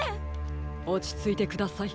おちついてください。